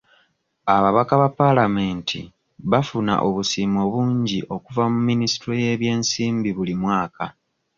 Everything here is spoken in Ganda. Ababaka ba palamenti bafuna obusiimo bungi okuva mu minisitule y'ebyensimbi buli mwaka.